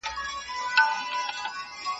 پوهه د هرې ستونزې د حل لاره ده.